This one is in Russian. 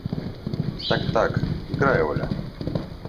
– Так, так. Играй, Оля!